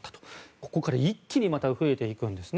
ここから一気にまた増えていくんですね。